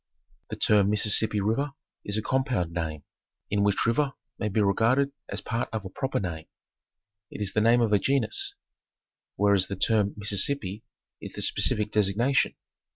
The term Mississippi River is a compound name, im which river may be regarded as a part of a proper name. It is the name of a genus, whereas the term Mississippi is the speci fic designation.